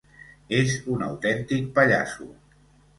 És un autèntic pallasso.